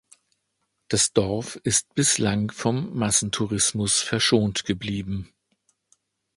Das Dorf ist bislang vom Massentourismus verschont geblieben.